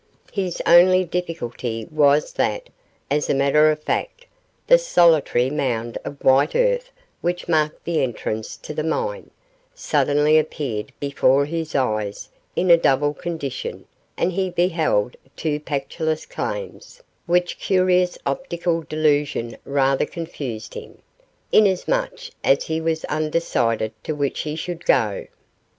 His only difficulty was that, as a matter of fact, the solitary mound of white earth which marked the entrance to the mine, suddenly appeared before his eyes in a double condition, and he beheld two Pactolus claims, which curious optical delusion rather confused him, inasmuch as he was undecided to which he should go.